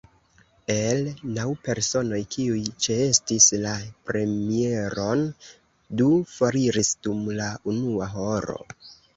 El naŭ personoj kiuj ĉeestis la premieron, du foriris dum la unua horo.